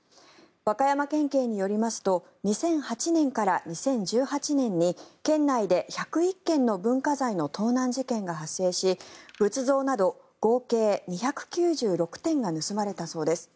和歌山県警によりますと２００８年から２０１８年に県内で１０１件の文化財の盗難事件が発生し仏像など合計２９６点が盗まれたそうです。